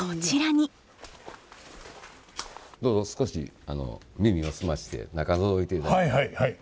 どうぞ少し耳を澄まして中のぞいていただいて。